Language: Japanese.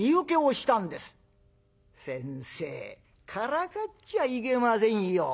「先生からかっちゃいけませんよ。